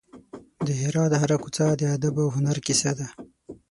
د هرات هره کوڅه د ادب او هنر کیسه کوي.